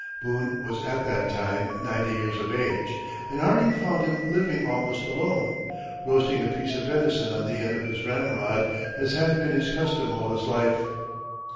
Boone was at that time ninety years of age, and Harding found him living almost alone, roasting a piece of venison on the end of his ramrod, as had been his custom all his life.